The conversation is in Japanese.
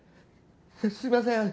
すいません。